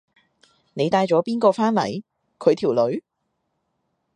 你帶咗邊個返嚟？佢條女？